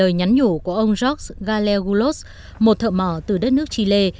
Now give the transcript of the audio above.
lời nhắn nhủ của ông jock galeoglos một thợ mỏ từ đất nước chile